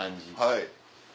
はい。